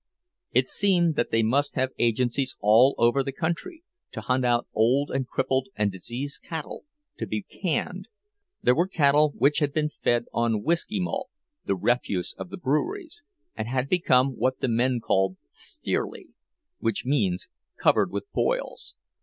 It seemed that they must have agencies all over the country, to hunt out old and crippled and diseased cattle to be canned. There were cattle which had been fed on "whisky malt," the refuse of the breweries, and had become what the men called "steerly"—which means covered with boils.